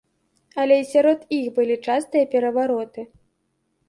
Але і сярод іх былі частыя перавароты.